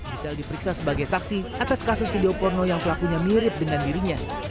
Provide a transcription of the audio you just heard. giselle diperiksa sebagai saksi atas kasus video porno yang pelakunya mirip dengan dirinya